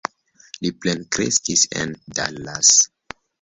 Li plenkreskis en Dallas.